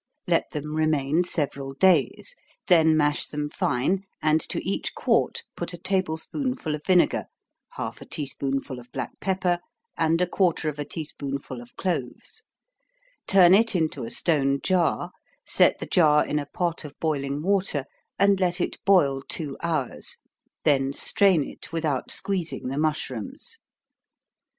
Let them remain several days then mash them fine, and to each quart put a table spoonful of vinegar, half a tea spoonful of black pepper, and a quarter of a tea spoonful of cloves turn it into a stone jar, set the jar in a pot of boiling water, and let it boil two hours, then strain it without squeezing the mushrooms.